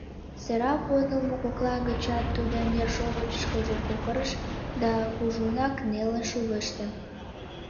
Сыра подылмо кокла гычат тудо нершовычышкыжо кокырыш да кужунак нелын шӱлеште.